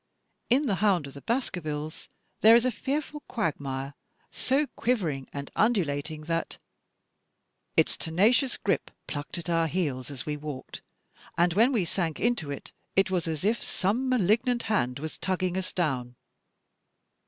In "The Hoimd of the Baskervilles" there is a fearful quagmire, so quivering and imdulating that "its FOOTPRINTS AND FINGERPRINTS 1 83 tenacious grip plucked at our heels as we walked, and when we sank into it it was as if some malignant hand was tugging us down.